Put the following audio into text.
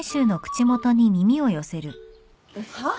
はっ？